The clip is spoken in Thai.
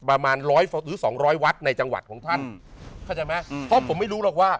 ประมาณร้อยหรือสองร้อยวัดในจังหวัดของท่านเข้าใจไหมอืมเพราะผมไม่รู้หรอกว่า